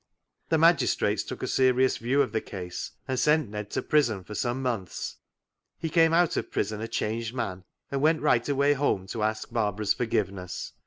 The magistrates took a serious view of the case, and sent Ned to prison for some months. " He came out of prison a changed man, and went right away home to ask Barbara's forgiveness.